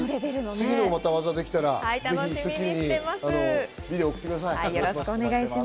次の技がまたできたら、『スッキリ』にビデオを送ってください。